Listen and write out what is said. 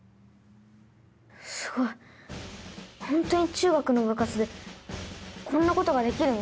すごい本当に中学の部活でこんなことができるの？